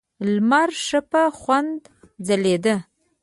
لمر ښه په خوند ځلېده.